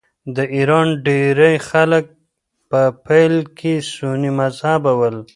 د ایران ډېری خلک په پیل کې سني مذهبه ول.